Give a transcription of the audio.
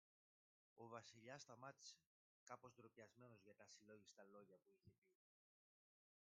Ο Βασιλιάς σταμάτησε, κάπως ντροπιασμένος για τα ασυλλόγιστα λόγια που είχε πει.